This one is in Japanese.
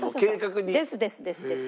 ですですですです。